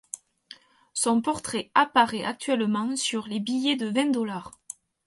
Son portrait apparaît actuellement sur les billets de vingt dollars.